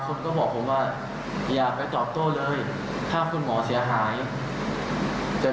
คนก็บอกผมว่าอย่าไปตอบโต้เลยถ้าคุณหมอเสียหายจะ